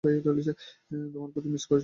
তোমাকে মিস করেছি।